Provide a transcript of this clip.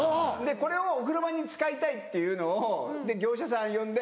これをお風呂場に使いたいっていうのを業者さん呼んで。